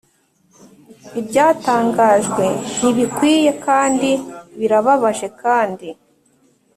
ibyatangajwe ntibikwiye kandi birababaje, kandi